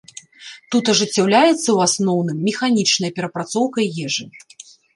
Тут ажыццяўляецца, у асноўным, механічная перапрацоўка ежы.